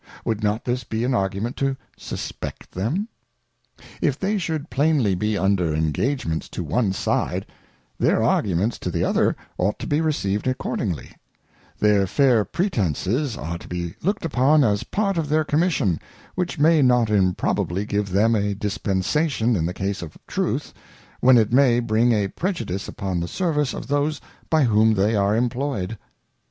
Would not this be an Argument to suspect them ? If they should plainly be under Engagements to one side, their Arguments to the other ought to be received accordingly ; their fair Pretences are to be looked upon as part of their Commission, which may not improbably give them a Dispen sation in the case of Truth, when it may bring a prejudice upon the Service of those by whom they are imployed.